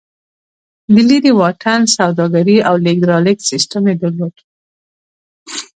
د لېرې واټن سوداګري او لېږد رالېږد سیستم یې درلود